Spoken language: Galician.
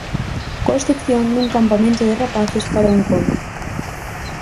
Coa excepción dun campamento de rapaces para un conto.